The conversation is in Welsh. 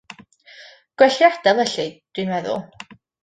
Gwell ei adael felly, dw i'n meddwl.